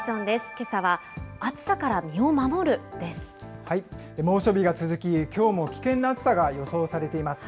けさは、猛暑日が続き、きょうも危険な暑さが予想されています。